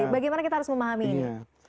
bagaimana kita harus memahami ini